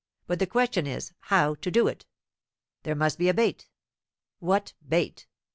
But the question is, how to do it? There must be a bait. What bait?